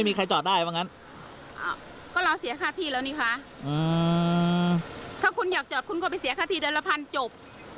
ไม่จำเป็นแค่นั้นจบ